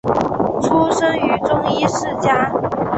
出生于中医世家。